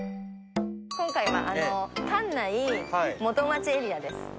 今回は関内元町エリアです。